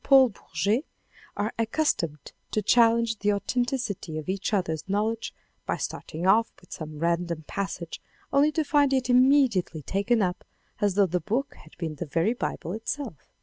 Paul Bourget, are ac customed to challenge the authenticity of each other's knowledge by starting off with some random passage only to find it immediately taken up, as though the book had been the very Bible itself.